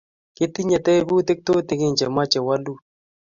kitinye tebutik tutegen che mechei wolut